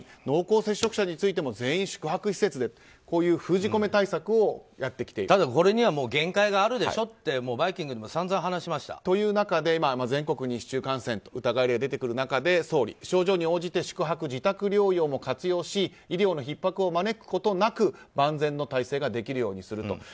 濃厚接触者についても全員宿泊施設でとこういう封じ込め対策をただ、これには限界があるでしょって「バイキング」でもという中で全国に市中感染の疑い例が出てくる中で総理症状に応じて宿泊・自宅療養も活用し、医療のひっ迫を招くことなく万全の体制ができるようにすると。